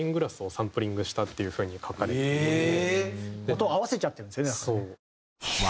音を合わせちゃってるんですよねなんかね。